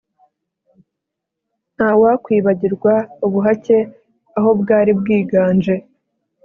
nta wakwibagirwa ubuhake aho bwari bwiganje